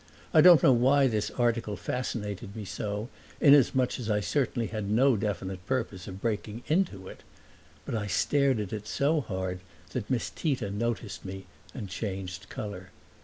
I don't know why this article fascinated me so, inasmuch as I certainly had no definite purpose of breaking into it; but I stared at it so hard that Miss Tita noticed me and changed color.